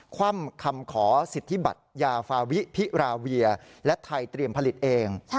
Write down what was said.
คว่ำคำขอสิทธิบัตรยาฟาวิพิราเวียและไทยเตรียมผลิตเอง